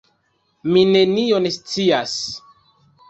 Mi nenion scias.